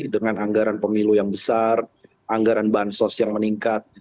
dengan anggaran pemilu yang besar anggaran bahan sosial meningkat